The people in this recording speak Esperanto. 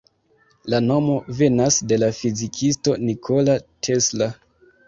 La nomo venas de la fizikisto Nikola Tesla.